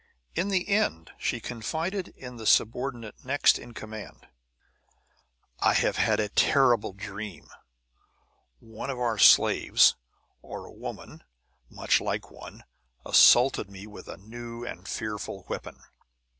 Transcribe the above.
In the end she confided in the subordinate next in command: "I have had a terrible dream. One of our slaves, or a woman much like one, assaulted me with a new and fearful weapon."